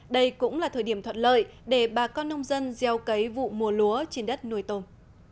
đây cũng là thời điểm thuận lợi để bà con nông dân gieo cấy vụ mùa lúa trên đất nuôi tôm